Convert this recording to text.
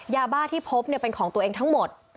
ยาบ้าที่พบเป็นของตัวเองทั้งหมด